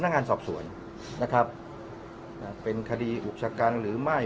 นักงานสอบสวนนะครับเป็นคดีอุกชะกันหรือไม่